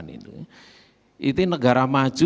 itu itu negara maju